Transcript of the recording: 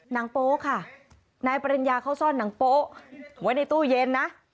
โป๊ค่ะนายปริญญาเขาซ่อนหนังโป๊ะไว้ในตู้เย็นนะ